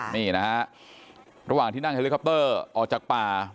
นี่นะฮะระหว่างที่นั่งเฮลิคอปเตอร์ออกจากป่า